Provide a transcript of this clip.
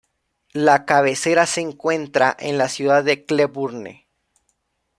La cabecera se encuentra en la ciudad de Cleburne.